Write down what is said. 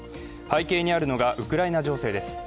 背景にあるのがウクライナ情勢です。